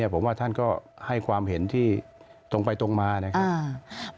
ผมว่าท่านก็ให้ความเห็นที่ตรงไปตรงมานะครับ